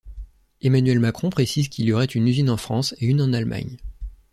Emmanuel Macron précise qu'il y aurait une usine en France et une en Allemagne.